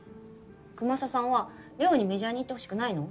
くまささんはれおにメジャーに行ってほしくないの？